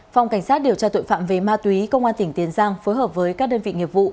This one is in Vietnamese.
phòng cảnh sát điều tra tội phạm về ma túy công an tỉnh tiền giang phối hợp với các đơn vị nghiệp vụ